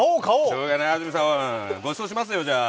しょうがない、安住さんごちそうしますよ、じゃあ。